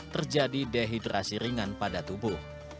terjadi dehidrasi ringan pada tubuh